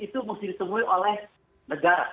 itu mesti ditemui oleh negara